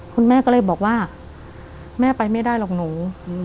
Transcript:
คุณแม่ก็เลยบอกว่าแม่ไปไม่ได้หรอกหนู